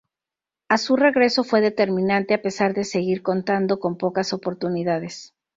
A su regreso fue determinante, a pesar de seguir contando con pocas oportunidades.